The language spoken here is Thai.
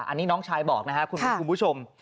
อันนี้น้องชายบอกนะครับคุณมิ้นคุณผู้ชม